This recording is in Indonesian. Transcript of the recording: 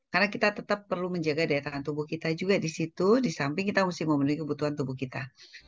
karena kita tetap perlu menjaga daya tahan tubuh kita juga di situ di samping kita mesti memenuhi kebutuhan tubuh kita